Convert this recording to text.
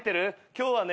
「今日はね